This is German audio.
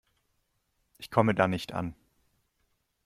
Ich komme da nicht an.